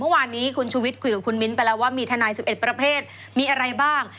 เมื่อวานนี้คุณชูวิทย์คุยกับคุณมิ้นไปแล้วว่ามีทนาย๑๑ประเภทมีอะไรบ้าง